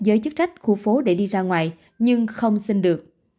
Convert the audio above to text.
giới chức trách khu phố để đi ra ngoài nhưng không xin được